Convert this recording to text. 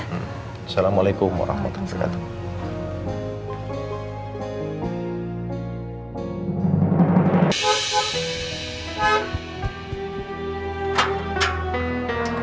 assalamualaikum warahmatullahi wabarakatuh